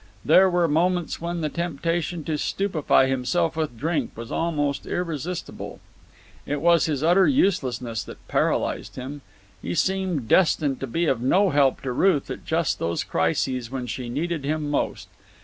There were moments when the temptation to stupefy himself with drink was almost irresistible. It was his utter uselessness that paralysed him. He seemed destined to be of no help to Ruth at just those crises when she needed him most.